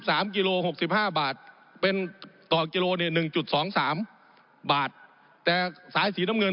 ผมอภิปรายเรื่องการขยายสมภาษณ์รถไฟฟ้าสายสีเขียวนะครับ